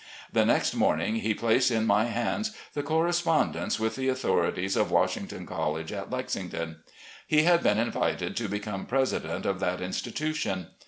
The next morning he placed in my hands the correspondence with the authorities of Washington College at Lexington. He had been invited to become president of that institu tion.